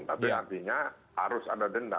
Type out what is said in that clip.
tapi artinya harus ada denda